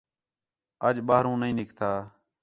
اَڄ ٻاہروں نِھیں نِکتا